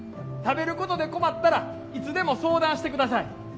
食べることで困ったらいつでも相談してください。